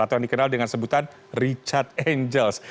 atau yang dikenal dengan sebutan richard angels